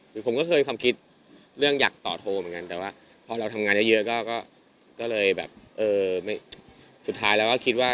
คือผมก็เคยความคิดเรื่องอยากต่อโทรเหมือนกันแต่ว่าพอเราทำงานเยอะก็เลยแบบเออสุดท้ายแล้วก็คิดว่า